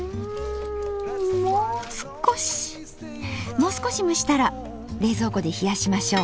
もう少し蒸したら冷蔵庫で冷やしましょう。